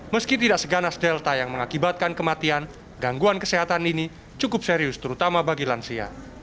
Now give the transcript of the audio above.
meski tidak seganas delta yang mengakibatkan kematian gangguan kesehatan ini cukup serius terutama bagi lansia